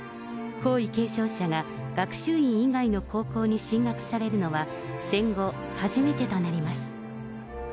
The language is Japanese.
皇位継承者が学習院以外の高校に進学されるのは、戦後初めてとなります。